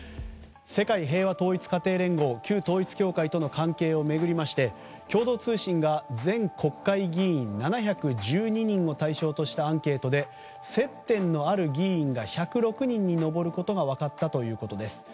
世界平和統一家庭連合旧統一教会との関連を巡りまして共同通信が全国会議員７１２人を対象としたアンケートで、接点のある議員が１０６人に上ることが分かったということです。